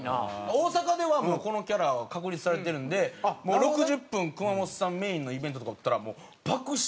大阪ではもうこのキャラは確立されてるんでもう６０分熊元さんメインのイベントとかあったらもう爆笑に次ぐ爆笑。